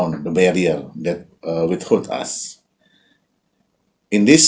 untuk membatasi perintah yang mempengaruhi kami